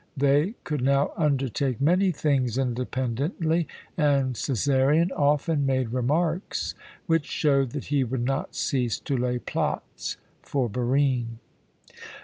They could now undertake many things independently, and Cæsarion often made remarks which showed that he would not cease to lay plots for Barine.